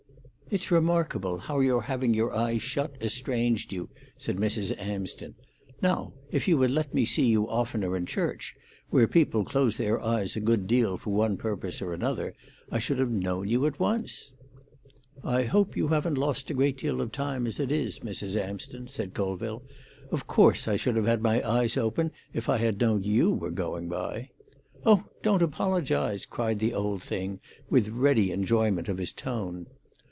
"It's remarkable how your having your eyes shut estranged you," said Mrs. Amsden. "Now, if you had let me see you oftener in church, where people close their eyes a good deal for one purpose or another, I should have known you at once." "I hope you haven't lost a great deal of time, as it is, Mrs. Amsden," said Colville. "Of course I should have had my eyes open if I had known you were going by." "Oh, don't apologise!" cried the old thing, with ready enjoyment of his tone.